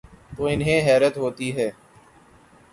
تو انہیں حیرت ہو تی ہے۔